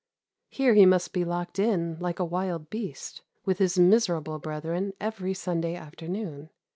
Here must he be locked in like a wild beast, with his miserable brethren every Sunday afternoon.